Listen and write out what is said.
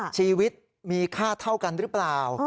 ชีวิตมีค่าเท่ากันหรือเปล่า